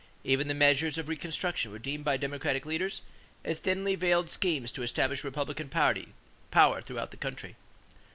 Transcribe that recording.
Even the measures of reconstruction were deemed by Democratic leaders as thinly veiled schemes to establish Republican power throughout the country.